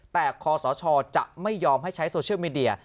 แต่คอสชจะไม่ยอมให้ใช้โซเชียลมีเดีย